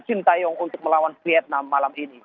maksim tayong untuk melawan vietnam malam ini